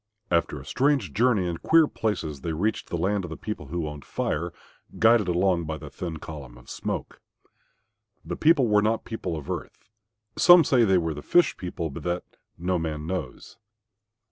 After a strange journey in queer places they reached the land of the people who owned Fire, guided along by the thin column of smoke. The people were not people of earth. Some say they were the Fish people, but that, no man knows.